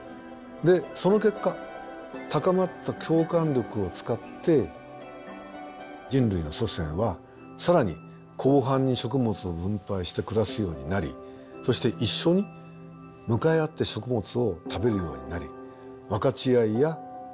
その結果高まった共感力を使って人類の祖先は更に広範に食物を分配して暮らすようになりそして一緒に向かい合って食物を食べるようになり分かち合いや平等といった